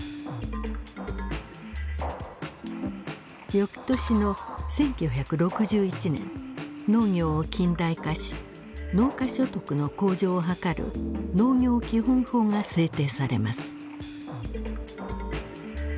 翌年の１９６１年農業を近代化し農家所得の向上を図る農業基本法が制定されます。